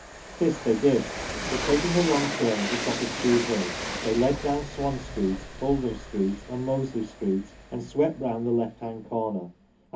This they did, but taking a wrong turn at the top of Shude Hill, they led down Swan Street, Oldham 24 THE STORY OF PETERLOO Street, and Mosley Street, and swept round the left hand corner, i.